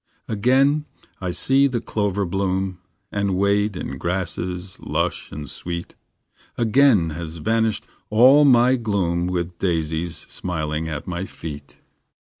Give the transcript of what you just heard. Again I see the clover bloom, And wade in grasses lush and sweet; Again has vanished all my gloom With daisies smiling at my feet.